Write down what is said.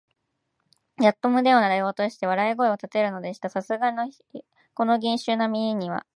大鳥氏はやっと胸をなでおろして、笑い声をたてるのでした。さすがの二十面相も、このげんじゅうな見はりには、かなわなかったとみえますね。